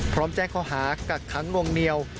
พร้อมแจ้งข้อหากักขังลวงเหนียว